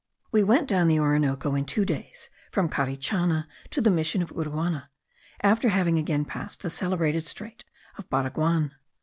We went down the Orinoco in two days, from Carichana to the mission of Uruana, after having again passed the celebrated strait of Baraguan.